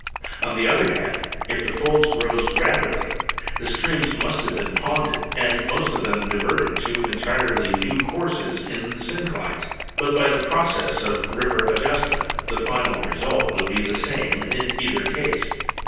On the other hand, if the folds rose rapidly the streams must have been ponded and most of them diverted to entirely new courses in the synclines; but by the process of river adjustment the final result would be the same in either case.